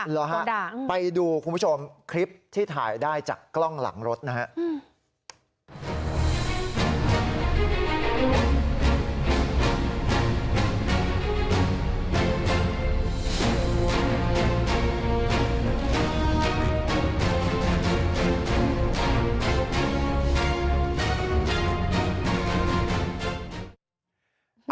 เหรอฮะไปดูคุณผู้ชมคลิปที่ถ่ายได้จากกล้องหลังรถนะครับ